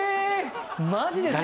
マジですか！？